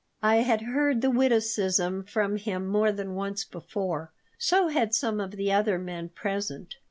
I had heard the witticism from him more than once before. So had some of the other men present.